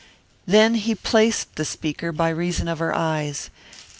Then he placed the speaker by reason of her eyes.